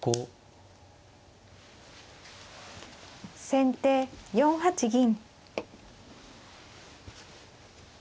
先手４八銀。